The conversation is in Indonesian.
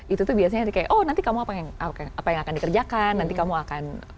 itu tuh biasanya kayak oh nanti kamu apa yang akan dikerjakan nanti kamu akan